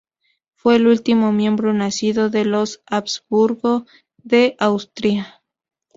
Fue el último miembro nacido de los Habsburgo de Austria.